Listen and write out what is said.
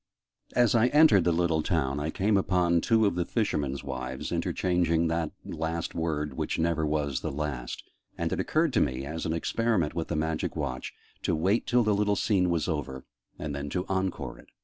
As I entered the little town, I came upon two of the fishermen's wives interchanging that last word "which never was the last": and it occurred to me, as an experiment with the Magic Watch, to wait till the little scene was over, and then to 'encore' it.